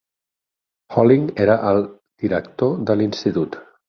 Holling era el director de l'institut.